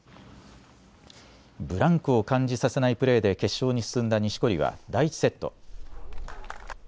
ブランクを感じさせないプレーで決勝に進んだ錦織は第１セット。